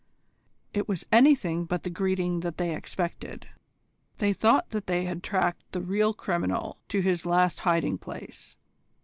It was anything but the greeting that they expected. They thought that they had tracked the real criminal to his last hiding place.